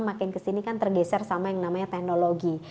makin kesini kan tergeser sama yang namanya teknologi